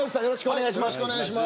よろしくお願いします。